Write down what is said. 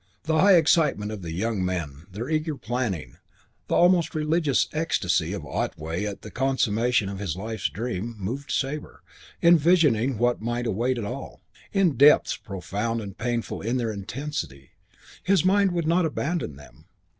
The high excitement of the young men, their eager planning, the almost religious ecstasy of Otway at the consummation of his life's dream, moved Sabre, visioning what might await it all, in depths profound and painful in their intensity. His mind would not abandon them.